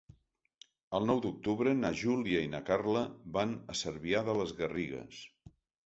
El nou d'octubre na Júlia i na Carla van a Cervià de les Garrigues.